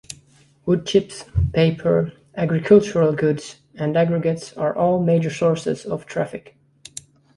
Woodchips, paper, agricultural goods, and aggregates are all major sources of traffic.